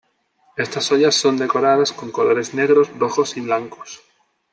Estas ollas son decoradas con colores negros, rojos y blancos.